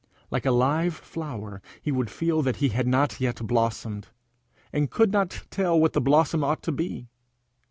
Like a live flower, he would feel that he had not yet blossomed, and could not tell what the blossom ought to be.